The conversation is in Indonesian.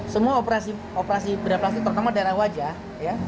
semua operasi bedah plastik terutama daerah wajah ya